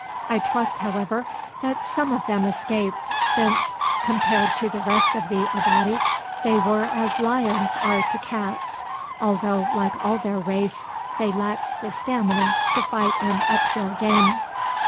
I trust, however, that some of them escaped, since, compared to the rest of the Abati, they were as lions are to cats, although, like all their race, they lacked the stamina to fight an uphill game.